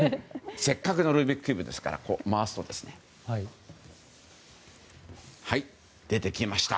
せっかくのルービックキューブですから回すと、出てきました